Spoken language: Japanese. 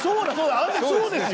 あの時そうですよ。